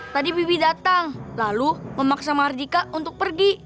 tadi bibi datang lalu memaksa mardika untuk pergi